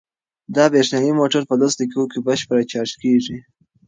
دا برېښنايي موټر په لسو دقیقو کې بشپړ چارج کیږي.